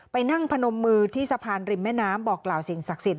ไปนั่งพนมมือที่สะพานริมแม่น้ำบอกกล่าวสิ่งศักดิ์สิทธ